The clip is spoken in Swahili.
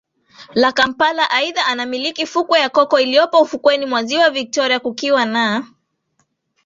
la Kampala Aidha anamiliki fukwe ya Coco iliyopo ufukweni mwa Ziwa Victoria kukiwa na